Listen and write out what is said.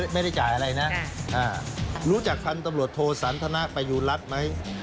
ไม่ได้จ่ายอะไรนะรู้จักพันธุ์ตำรวจโทสันทนาประยุรัฐไหม